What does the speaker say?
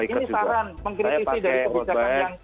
karena saya juga biker juga